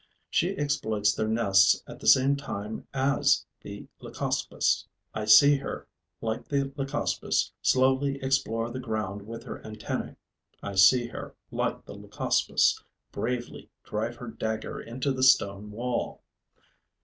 She exploits their nests at the same time as the Leucospis. I see her, like the Leucospis, slowly explore the ground with her antennae; I see her, like the Leucospis, bravely drive her dagger into the stone wall.